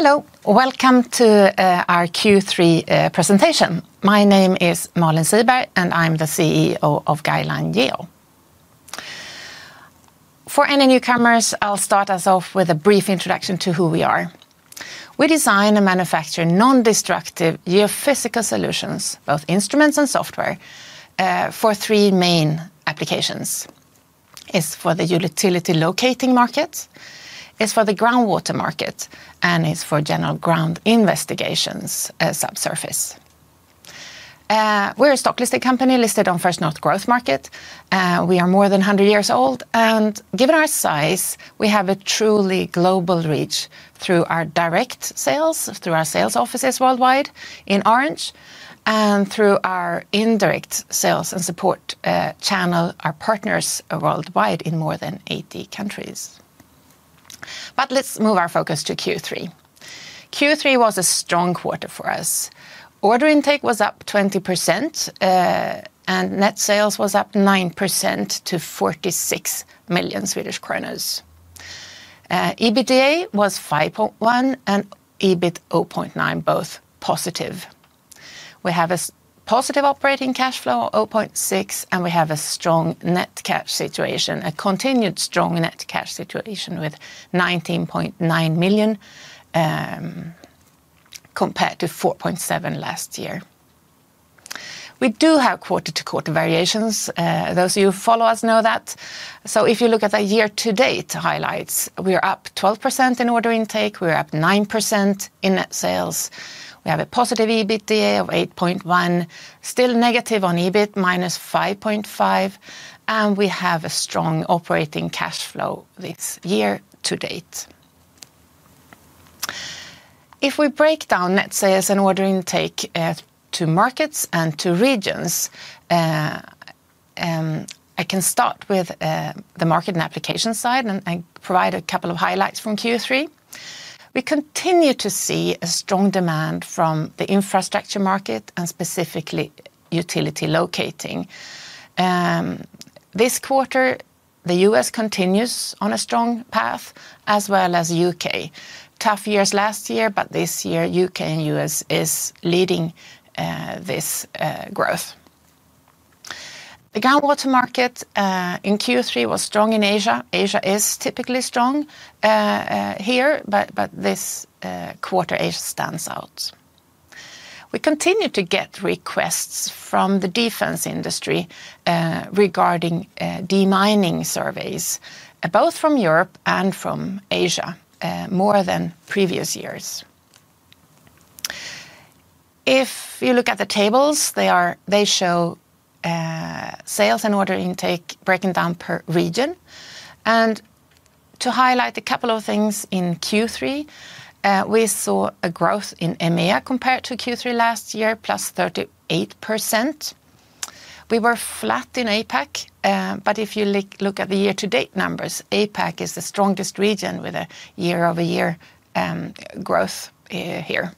Hello, welcome to our Q3 presentation. My name is Malin Siberg and I'm the CEO of Guideline Geo. For any newcomers, I'll start us off with a brief introduction to who we are. We design and manufacture non-destructive geophysical solutions, both instruments and software, for three main applications. It's for the utility locating market, it's for the groundwater market, and it's for general ground investigations subsurface. We're a stocklisted company listed on First North Growth Market. We are more than 100 years old, and given our size, we have a truly global reach through our direct sales, through our sales offices worldwide in Orange, and through our indirect sales and support channel, our partners worldwide in more than 80 countries. Let's move our focus to Q3. Q3 was a strong quarter for us. Order intake was up 20% and net sales was up 9% to 46 million Swedish kronor. EBITDA was 5.1 million and EBIT 0.9 million, both positive. We have a positive operating cash flow, 0.6 million, and we have a strong net cash situation, a continued strong net cash situation with 19.9 million compared to 4.7 million last year. We do have quarter-to-quarter variations. Those of you who follow us know that. If you look at the year-to-date highlights, we are up 12% in order intake, we are up 9% in net sales, we have a positive EBITDA of 8.1 million, still negative on EBIT, -5.5 million, and we have a strong operating cash flow this year to date. If we break down net sales and order intake to markets and to regions, I can start with the market and application side and provide a couple of highlights from Q3. We continue to see a strong demand from the infrastructure market and specifically utility locating. This quarter, the U.S. continues on a strong path as well as the U.K. Tough years last year, but this year, U.K. and U.S. are leading this growth. The groundwater market in Q3 was strong in Asia. Asia is typically strong here, but this quarter, Asia stands out. We continue to get requests from the defense industry regarding demining surveys, both from Europe and from Asia, more than previous years. If you look at the tables, they show sales and order intake breaking down per region. To highlight a couple of things in Q3, we saw a growth in EMEA compared to Q3 last year, +38%. We were flat in APAC, but if you look at the year-to-date numbers, APAC is the strongest region with a year-over-year growth here.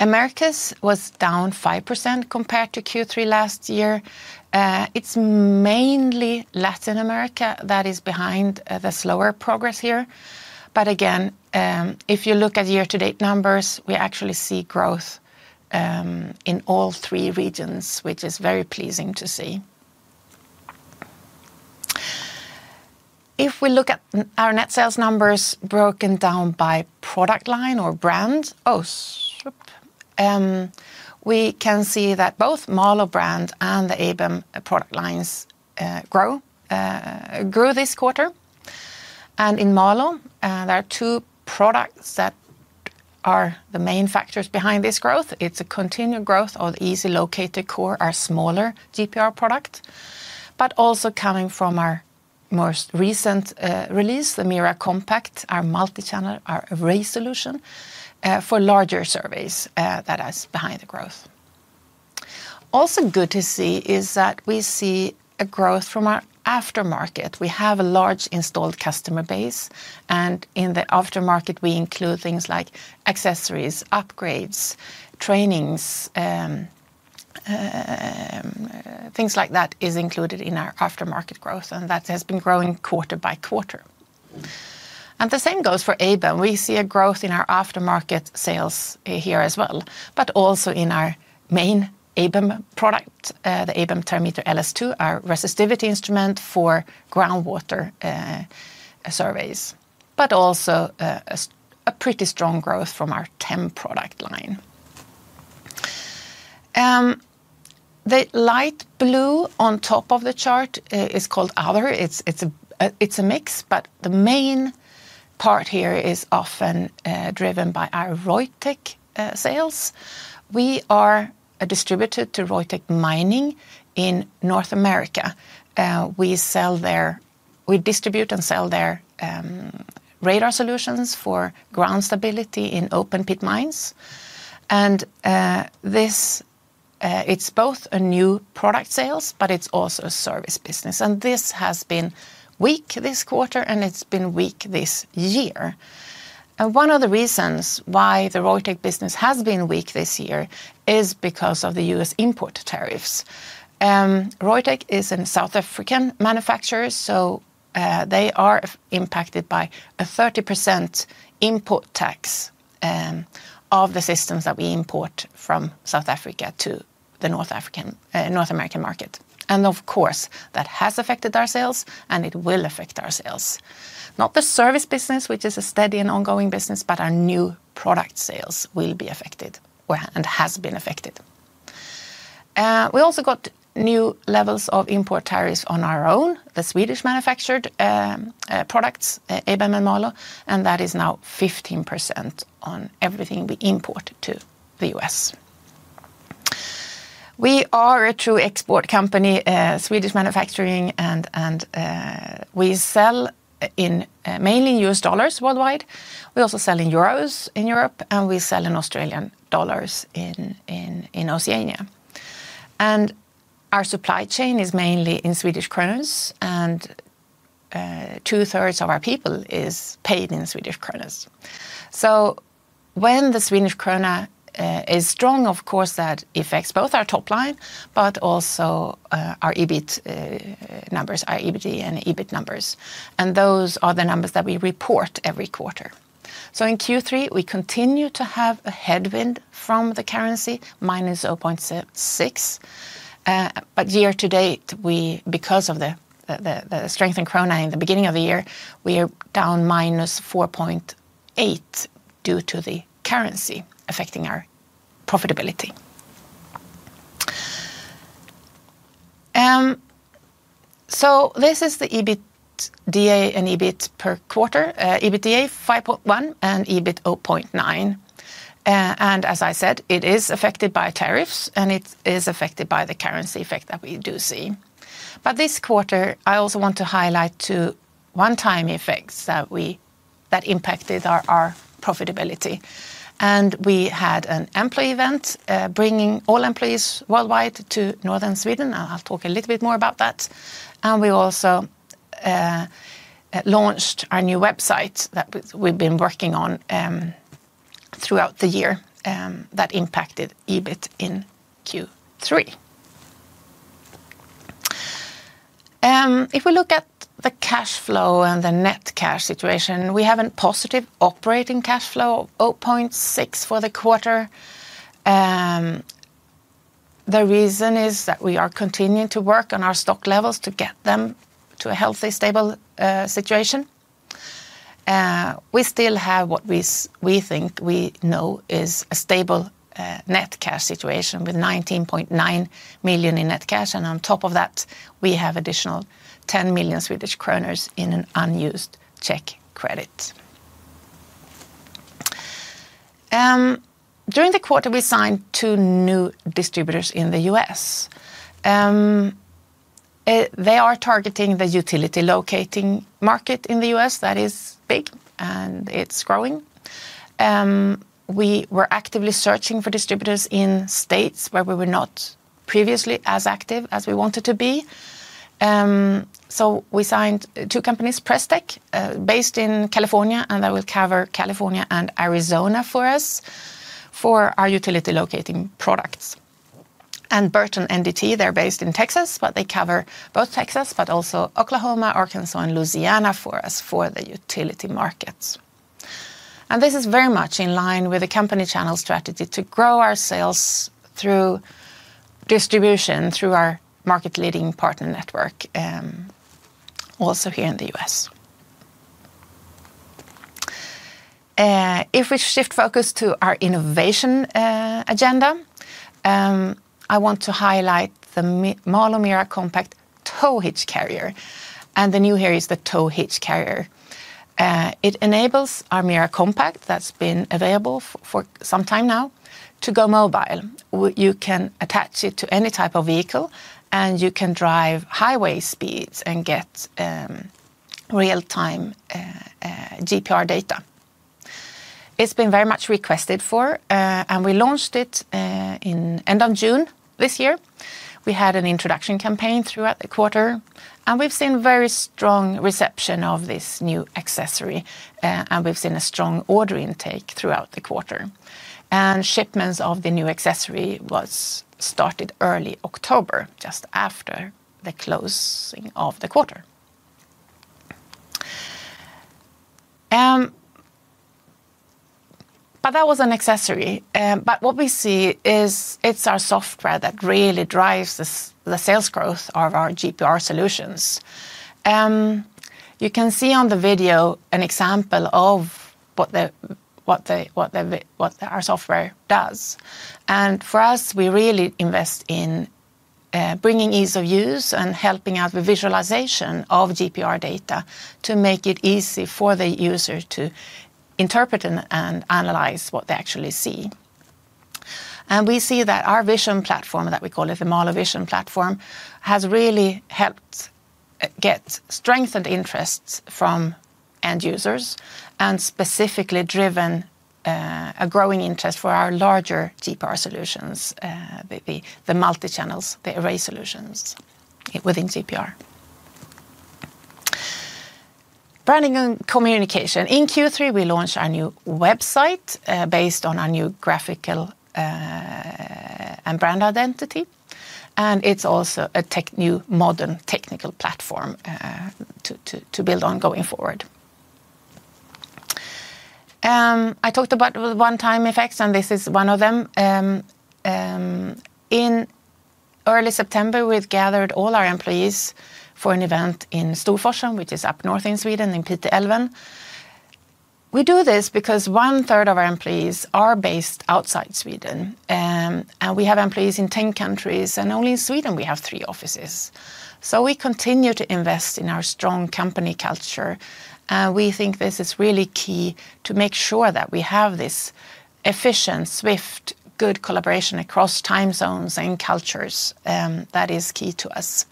Americas was down 5% compared to Q3 last year. It's mainly Latin America that is behind the slower progress here. If you look at year-to-date numbers, we actually see growth in all three regions, which is very pleasing to see. If we look at our net sales numbers broken down by product line or brand, we can see that both MALA brand and the ABEM product lines grew this quarter. In MALA, there are two products that are the main factors behind this growth. It's a continued growth of the Easy Locator Core, our smaller GPR product, but also coming from our most recent release, the MIRA Compact, our multi-channel, our array solution for larger surveys that are behind the growth. Also good to see is that we see a growth from our aftermarket. We have a large installed customer base, and in the aftermarket, we include things like accessories, upgrades, trainings, things like that are included in our aftermarket growth, and that has been growing quarter by quarter. The same goes for ABEM. We see a growth in our aftermarket sales here as well, but also in our main ABEM product, the ABEM Terrameter LS 2, our resistivity instrument for groundwater surveys, but also a pretty strong growth from our TEM product line. The light blue on top of the chart is called Other. It's a mix, but the main part here is often driven by our Reutech sales. We are distributed to Reutech Mining in North America. We distribute and sell their radar solutions for ground stability in open pit mines. It's both a new product sales, but it's also a service business. This has been weak this quarter, and it's been weak this year. One of the reasons why the Reutech business has been weak this year is because of the U.S. import tariffs. Reutech is a South African manufacturer, so they are impacted by a 30% import tax of the systems that we import from South Africa to the North American market. Of course, that has affected our sales, and it will affect our sales. Not the service business, which is a steady and ongoing business, but our new product sales will be affected and have been affected. We also got new levels of import tariffs on our own, the Swedish manufactured products, ABEM and MALA, and that is now 15% on everything we import to the U.S. We are a true export company, Swedish manufacturing, and we sell in mainly U.S. dollars worldwide. We also sell in euros in Europe, and we sell in Australian dollars in Oceania. Our supply chain is mainly in Swedish kronors, and two-thirds of our people are paid in Swedish kronors. When the Swedish krona is strong, that affects both our top line and our EBIT numbers, our EBITDA and EBIT numbers. Those are the numbers that we report every quarter. In Q3, we continue to have a headwind from the currency, -0.6. Year to date, because of the strength in kronor in the beginning of the year, we are down -4.8 due to the currency affecting our profitability. This is the EBITDA and EBIT per quarter: EBITDA 5.1 and EBIT 0.9. As I said, it is affected by tariffs, and it is affected by the currency effect that we do see. This quarter, I also want to highlight two one-time effects that impacted our profitability. We had an employee event bringing all employees worldwide to northern Sweden. I'll talk a little bit more about that. We also launched our new website that we've been working on throughout the year that impacted EBIT in Q3. If we look at the cash flow and the net cash situation, we have a positive operating cash flow of 0.6 for the quarter. The reason is that we are continuing to work on our stock levels to get them to a healthy, stable situation. We still have what we think we know is a stable net cash situation with 19.9 million in net cash. On top of that, we have an additional 10 million Swedish kronor in an unused check credit. During the quarter, we signed two new distributors in the U.S. They are targeting the utility locating market in the U.S. That is big, and it's growing. We were actively searching for distributors in states where we were not previously as active as we wanted to be. We signed two companies: Pres-Tech, based in California, and that will cover California and Arizona for us for our utility locating products; and Burton NDT, they're based in Texas, but they cover both Texas and also Oklahoma, Arkansas, and Louisiana for us for the utility markets. This is very much in line with the company channel strategy to grow our sales through distribution through our market leading partner network also here in the U.S. If we shift focus to our innovation agenda, I want to highlight the MALA MIRA Compact tow hitch carrier. The new here is the tow hitch carrier. It enables our MIRA Compact that's been available for some time now to go mobile. You can attach it to any type of vehicle, and you can drive highway speeds and get real-time GPR data. It's been very much requested for, and we launched it in the end of June this year. We had an introduction campaign throughout the quarter, and we've seen very strong reception of this new accessory, and we've seen a strong order intake throughout the quarter. Shipments of the new accessory started early October, just after the closing of the quarter. That was an accessory. What we see is it's our software that really drives the sales growth of our GPR solutions. You can see on the video an example of what our software does. For us, we really invest in bringing ease of use and helping out with visualization of GPR data to make it easy for the user to interpret and analyze what they actually see. We see that our vision platform, that we call the MALA Vision Platform, has really helped get strengthened interests from end users and specifically driven a growing interest for our larger GPR solutions, the multi-channels, the array solutions within GPR. Branding and communication. In Q3, we launched our new website based on our new graphical and brand identity. It's also a new modern technical platform to build on going forward. I talked about the one-time effects, and this is one of them. In early September, we gathered all our employees for an event in Storforsen, which is up north in Sweden in Piteälven. We do this because one-third of our employees are based outside Sweden, and we have employees in 10 countries, and only in Sweden we have three offices. We continue to invest in our strong company culture, and we think this is really key to make sure that we have this efficient, swift, good collaboration across time zones and cultures. That is key to us.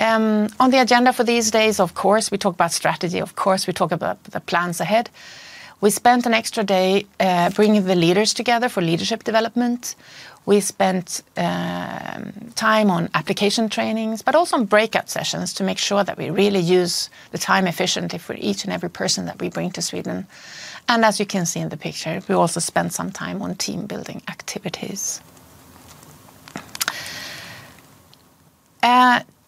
On the agenda for these days, of course, we talk about strategy. Of course, we talk about the plans ahead. We spent an extra day bringing the leaders together for leadership development. We spent time on application trainings, but also on breakout sessions to make sure that we really use the time efficiently for each and every person that we bring to Sweden. As you can see in the picture, we also spent some time on team-building activities.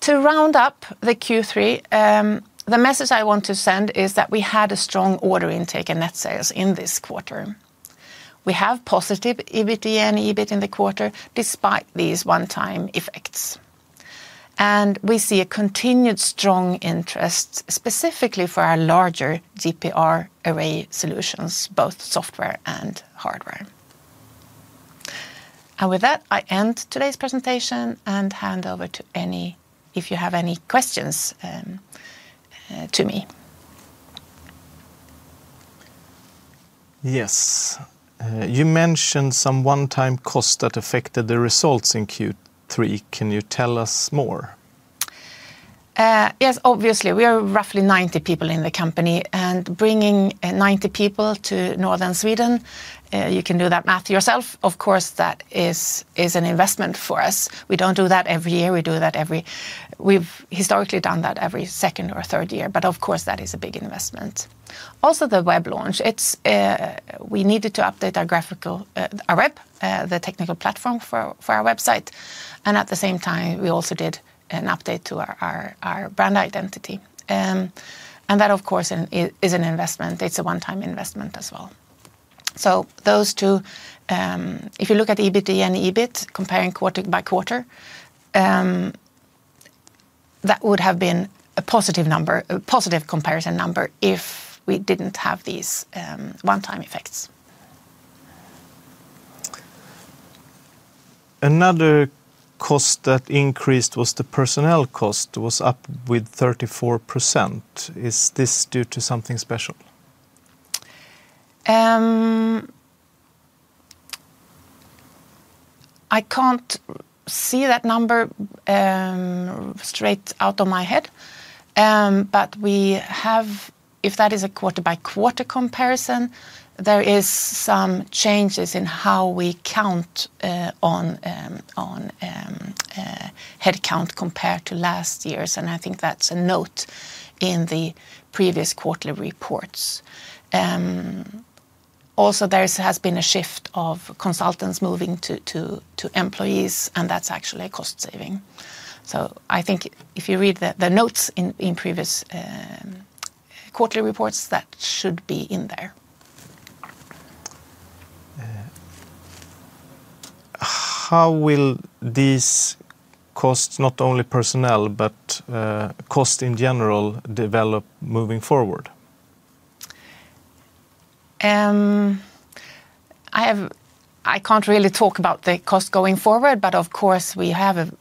To round up the Q3, the message I want to send is that we had a strong order intake and net sales in this quarter. We have positive EBITDA and EBIT in the quarter despite these one-time effects. We see a continued strong interest specifically for our larger GPR array solutions, both software and hardware. With that, I end today's presentation and hand over if you have any questions to me. Yes. You mentioned some one-time costs that affected the results in Q3. Can you tell us more? Yes, obviously. We are roughly 90 people in the company, and bringing 90 people to northern Sweden, you can do that math yourself. Of course, that is an investment for us. We don't do that every year. We've historically done that every second or third year, but of course, that is a big investment. Also, the web launch. We needed to update our web, the technical platform for our website. At the same time, we also did an update to our brand identity. That, of course, is an investment. It's a one-time investment as well. Those two, if you look at EBITDA and EBIT comparing quarter by quarter, that would have been a positive number, a positive comparison number if we didn't have these one-time effects. Another cost that increased was the personnel cost. It was up with 34%. Is this due to something special? I can't see that number straight out of my head, but we have, if that is a quarter-by-quarter comparison, there are some changes in how we count on headcount compared to last year's, and I think that's a note in the previous quarterly reports. Also, there has been a shift of consultants moving to employees, and that's actually a cost saving. I think if you read the notes in previous quarterly reports, that should be in there. How will these costs, not only personnel, but costs in general, develop moving forward? I can't really talk about the cost going forward, but of course, we have a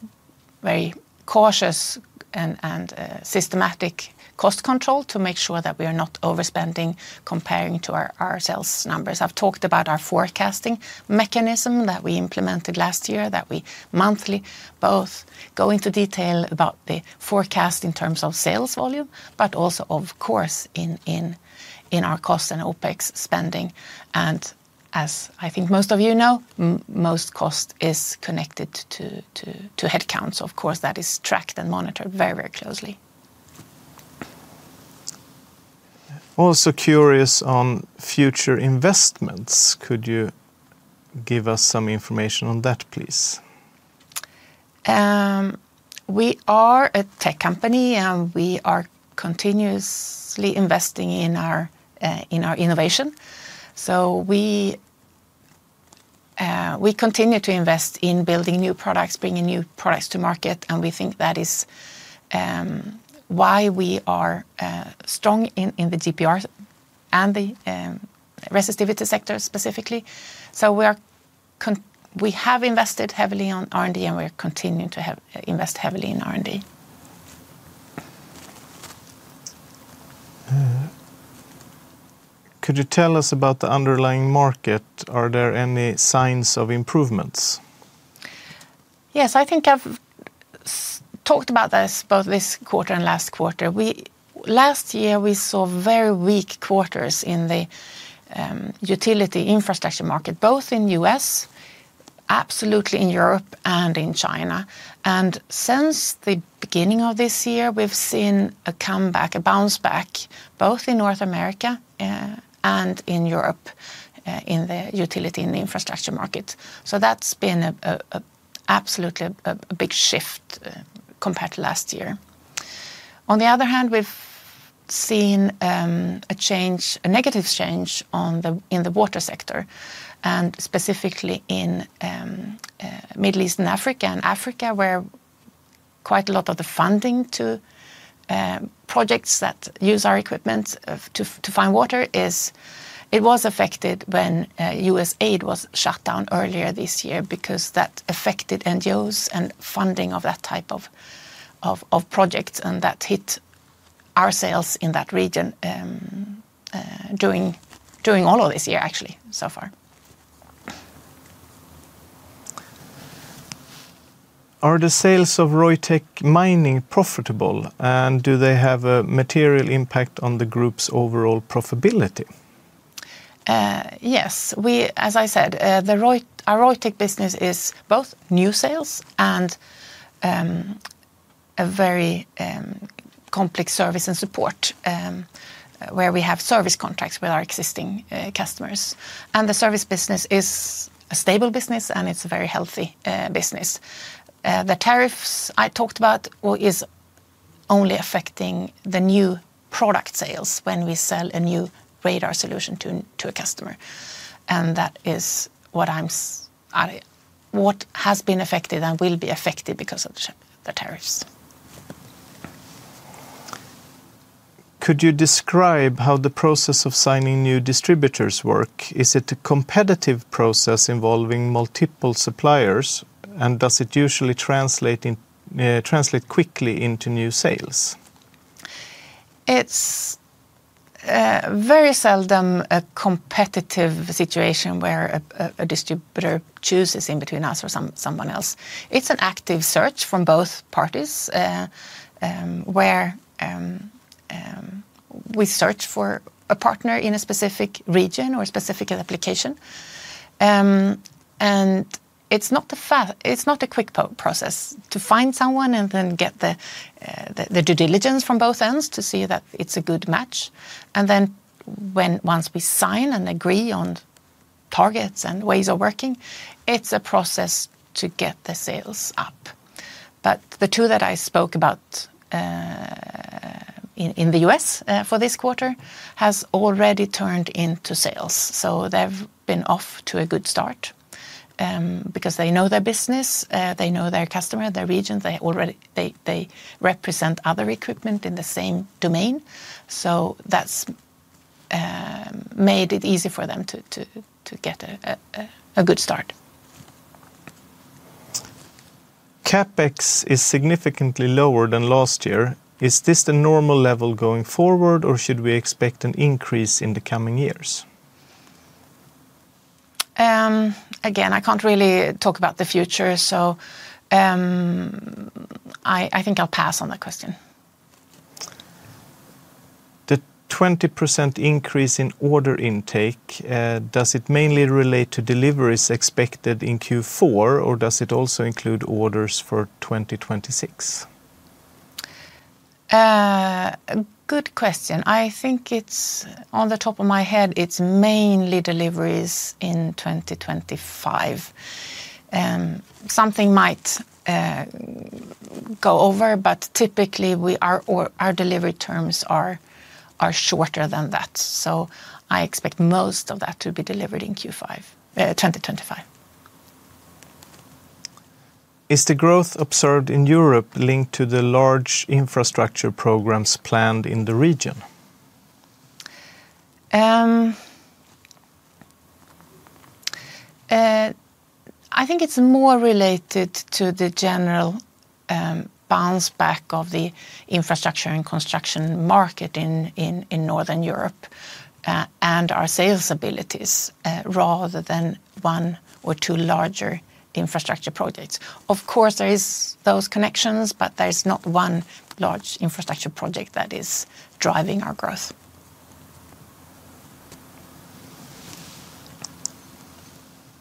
very cautious and systematic cost control to make sure that we are not overspending compared to our sales numbers. I've talked about our forecasting mechanism that we implemented last year, that we monthly both go into detail about the forecast in terms of sales volume, but also, of course, in our cost and OpEx spending. As I think most of you know, most cost is connected to headcounts. Of course, that is tracked and monitored very, very closely. Also curious on future investments. Could you give us some information on that, please? We are a tech company, and we are continuously investing in our innovation. We continue to invest in building new products, bringing new products to market, and we think that is why we are strong in the GPR and the resistivity sector specifically. We have invested heavily on R&D, and we're continuing to invest heavily in R&D. Could you tell us about the underlying market? Are there any signs of improvements? Yes, I think I've talked about this both this quarter and last quarter. Last year, we saw very weak quarters in the utility infrastructure market, both in the U.S., absolutely in Europe, and in China. Since the beginning of this year, we've seen a comeback, a bounce back, both in North America and in Europe in the utility and the infrastructure market. That's been absolutely a big shift compared to last year. On the other hand, we've seen a negative change in the water sector, specifically in the Middle East and Africa, where quite a lot of the funding to projects that use our equipment to find water was affected when U.S. aid was shut down earlier this year because that affected NGOs and funding of that type of project, and that hit our sales in that region during all of this year, actually, so far. Are the sales of Reutech Mining profitable, and do they have a material impact on the group's overall profitability? Yes, as I said, our Reutech Mining business is both new sales and a very complex service and support where we have service contracts with our existing customers. The service business is a stable business, and it's a very healthy business. The tariffs I talked about are only affecting the new product sales when we sell a new radar solution to a customer. That is what has been affected and will be affected because of the tariffs. Could you describe how the process of signing new distributors works? Is it a competitive process involving multiple suppliers, and does it usually translate quickly into new sales? It's very seldom a competitive situation where a distributor chooses in between us or someone else. It's an active search from both parties where we search for a partner in a specific region or a specific application. It's not a quick process to find someone and then get the due diligence from both ends to see that it's a good match. Once we sign and agree on targets and ways of working, it's a process to get the sales up. The two that I spoke about in the U.S. for this quarter have already turned into sales. They've been off to a good start because they know their business, they know their customer, their region, they represent other equipment in the same domain. That's made it easy for them to get a good start. CapEx is significantly lower than last year. Is this the normal level going forward, or should we expect an increase in the coming years? I can't really talk about the future, so I think I'll pass on that question. The 20% increase in order intake, does it mainly relate to deliveries expected in Q4, or does it also include orders for 2026? Good question. I think it's on the top of my head, it's mainly deliveries in 2025. Something might go over, but typically our delivery terms are shorter than that. I expect most of that to be delivered in 2025. Is the growth observed in Europe linked to the large infrastructure programs planned in the region? I think it's more related to the general bounce back of the infrastructure and construction market in northern Europe and our sales abilities, rather than one or two larger infrastructure projects. Of course, there are those connections, but there is not one large infrastructure project that is driving our growth.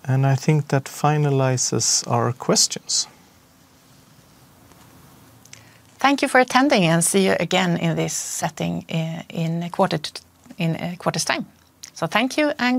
I think that finalizes our questions. Thank you for attending, and see you again in this setting in a quarter's time. Thank you.